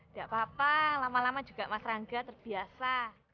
tidak apa apa lama lama juga mas rangga terbiasa